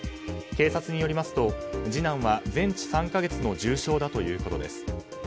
警察によりますと次男は全治３か月の重傷だということです。